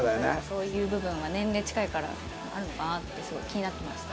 そういう部分は年齢近いからあるのかなってすごい気になってました。